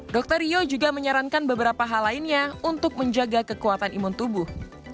dr rio juga menyarankan beberapa hal lainnya untuk menjaga kekuatan imun tubuh